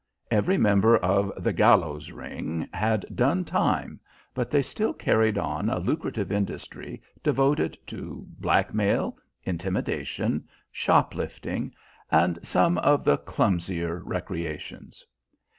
Every member of "The Gallows Ring" had done time, but they still carried on a lucrative industry devoted to blackmail, intimidation, shoplifting, and some of the clumsier recreations.